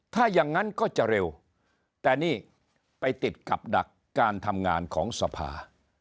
ถ้าอย่างนั้นก็จะเร็วแต่นี่ไปติดกับดักการทำงานของสภา